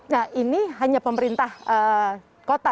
nah ini hanya pemerintah kota